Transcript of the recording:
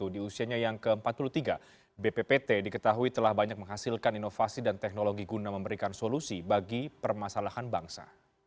di usianya yang ke empat puluh tiga bppt diketahui telah banyak menghasilkan inovasi dan teknologi guna memberikan solusi bagi permasalahan bangsa